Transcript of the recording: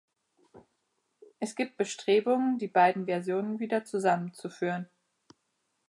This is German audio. Es gibt Bestrebungen, die beiden Versionen wieder zusammenzuführen.